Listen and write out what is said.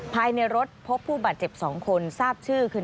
ภายในรถพบผู้บาดเจ็บ๒คนทราบชื่อคือ